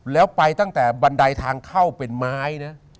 แล้วไปตั้งแต่บันไดทางเข้าเป็นไม้นะ